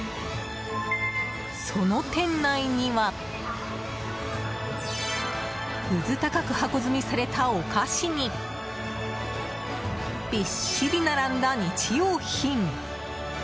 その店内にはうず高く箱積みされたお菓子にびっしり並んだ日用品。